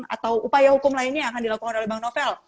atau upaya hukum lainnya yang akan dilakukan oleh bang novel